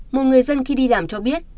một người dân khi đi làm cho biết